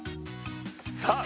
さあ